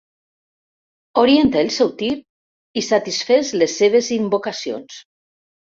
Orienta el seu tir i satisfés les seves invocacions.